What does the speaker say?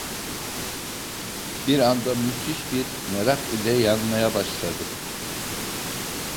Bir anda müthiş bir merak ile yanmaya başladı: